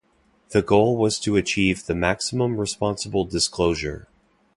The goal was to achieve the "maximum responsible disclosure".